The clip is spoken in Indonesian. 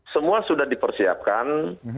semua sudah dipersiapkan